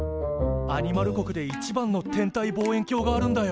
アニマル国で一番の天体望遠鏡があるんだよ。